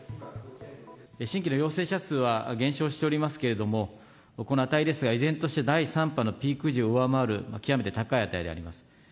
新規の陽性者数は減少しておりますけれども、この値ですが、依然として第３波のピーク時を上回る極めて高い値であります。